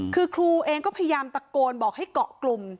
คือครูเองก็พยายามตะโกนบอกให้เกาะกลุ่ม